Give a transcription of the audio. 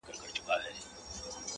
کنې دا زړه بېړی به مو ډوبېږي,